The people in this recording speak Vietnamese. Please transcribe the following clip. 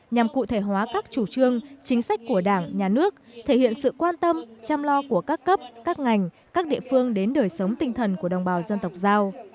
nhằm cụ thể hóa các chủ trương chính sách của đảng nhà nước thể hiện sự quan tâm chăm lo của các cấp các ngành các địa phương đến đời sống tinh thần của đồng bào dân tộc giao